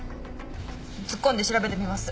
突っ込んで調べてみます。